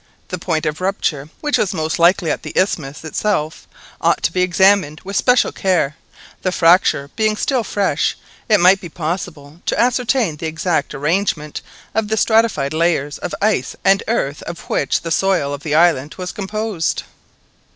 The point of rupture, which was most likely at the isthmus itself, ought to be examined with special care; the fracture being still fresh, it might be possible to ascertain the exact arrangement of the stratified layers of ice and earth of which the soil of the island was composed.